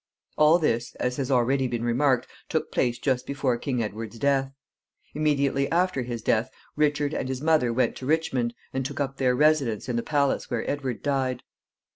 All this, as has already been remarked, took place just before King Edward's death. Immediately after his death Richard and his mother went to Richmond, and took up their residence in the palace where Edward died.